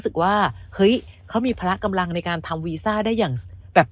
ว่าเฮ้ยเขามีพละกำลังในการทำวีซ่าได้อย่างแบบ